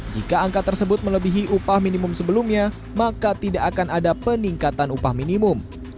jika angka tersebut melebihi upah minimum sebelumnya maka tidak akan ada peningkatan upah minimum